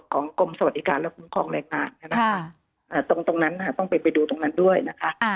กรมสวัสดิการและคุ้มครองแรงงานตรงนั้นต้องไปดูตรงนั้นด้วยนะคะ